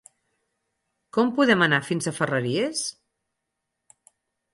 Com podem anar fins a Ferreries?